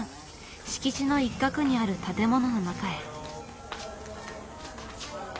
敷地の一角にある建物の中へ。